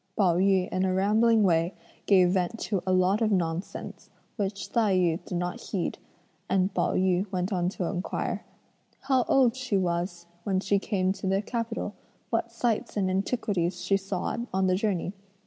Pao yü in a rambling way gave vent to a lot of nonsense, which Tai yü did not heed, and Pao yü went on to inquire: "How old she was when she came to the capital? what sights and antiquities she saw on the journey?